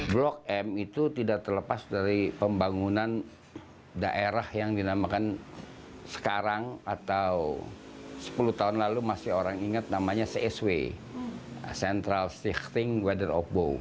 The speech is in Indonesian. blok m itu tidak terlepas dari pembangunan daerah yang dinamakan sekarang atau sepuluh tahun lalu masih orang ingat namanya csw central stick thing weather of bow